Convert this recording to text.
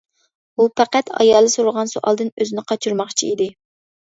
ئۇ پەقەت ئايالى سورىغان سوئالدىن ئۆزىنى قاچۇرماقچى ئىدى.